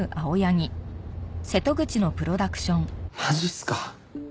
マジっすか？